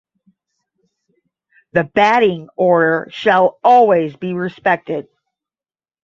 The batting order shall always be respected.